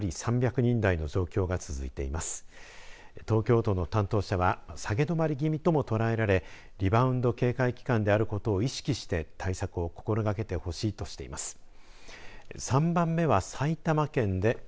東京都の担当者は下げ止まり気味ともとらえられリバウンド警戒期間であることを意識して対策を心がけてほしいとしています。